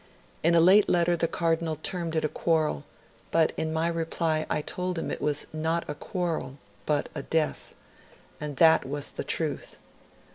In a late letter the Cardinal termed it a quarrel, but in my reply I told him it was not a quarrel, but a death; and that was the truth.